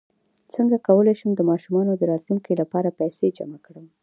څنګ کولی شم د ماشومانو د راتلونکي لپاره پیسې جمع کړم